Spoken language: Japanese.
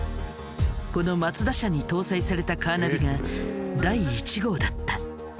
このマツダ車に搭載されたカーナビが第１号だった。